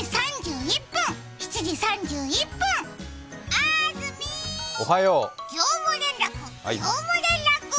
あーずーみー、業務連絡、業務連絡！